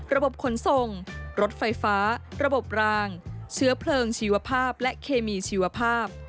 ขนส่งรถไฟฟ้าระบบรางเชื้อเพลิงชีวภาพและเคมีชีวภาพ